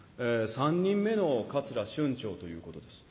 ３人目の桂春蝶ということです。